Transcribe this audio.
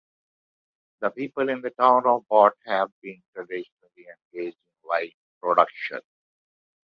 The people in the town of Bot have been traditionally engaged in wine production.